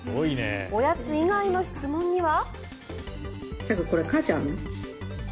おやつ以外の質問には。